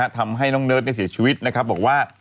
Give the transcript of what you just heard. ทำให้น้องเนิร์ดได้เสียชีวิตนะครับบอกว่า